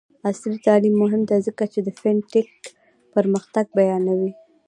عصري تعلیم مهم دی ځکه چې د فین ټیک پرمختګ بیانوي.